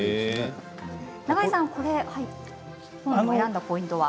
永江さんこれは選んだポイントは？